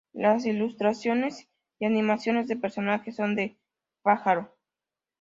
Las ilustraciones y animaciones de personajes son de Pájaro.